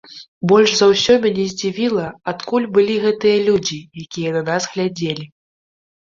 Больш за ўсё мяне здзівіла, адкуль былі гэтыя людзі, якія нас глядзелі.